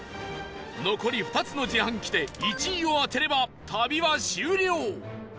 残り２つの自販機で１位を当てれば旅は終了